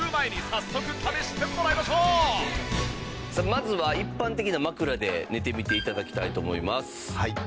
まずは一般的な枕で寝てみて頂きたいと思います。